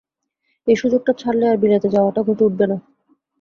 এ সুযোগটা ছাড়লে আর বিলেত যাওয়াটা ঘটে উঠবে না।